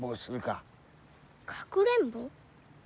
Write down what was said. かくれんぼ？